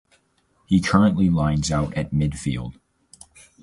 He currently lines out at midfield.